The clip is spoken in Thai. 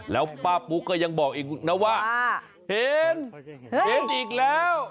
แล้วป้าปุ๊กก็ยังบอกอีกนะว่าเห็นเห็นอีกแล้ว